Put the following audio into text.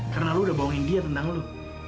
karena lu udah bohongin dia tentang lu